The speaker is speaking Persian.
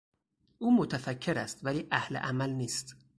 او متفکر است ولی اهل عمل نیست.